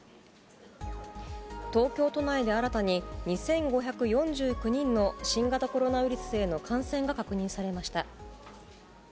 東京都内で新たに、２５４９人の新型コロナウイルスへの感染が確認されました。